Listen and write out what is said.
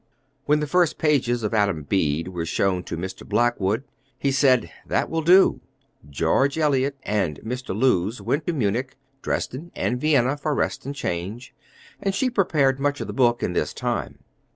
When the first pages of Adam Bede were shown to Mr. Blackwood, he said, "That will do." George Eliot and Mr. Lewes went to Munich, Dresden, and Vienna for rest and change, and she prepared much of the book in this time.